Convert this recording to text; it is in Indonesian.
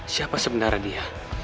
siapa sebenarnya dia